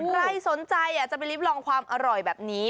ใครสนใจจะไปรีบลองความอร่อยแบบนี้